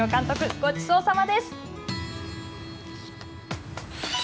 ごちそうさまです。